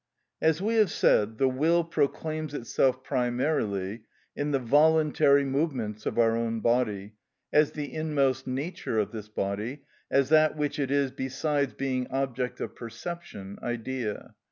As we have said, the will proclaims itself primarily in the voluntary movements of our own body, as the inmost nature of this body, as that which it is besides being object of perception, idea.